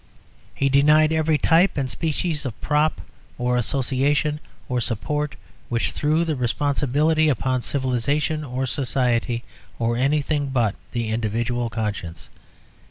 He denied every type and species of prop or association or support which threw the responsibility upon civilisation or society, or anything but the individual conscience.